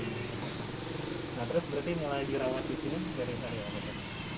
berarti nilai dirawat di sini dari hari awal